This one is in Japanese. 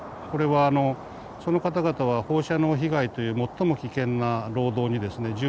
これはその方々は放射能被害という最も危険な労働にですね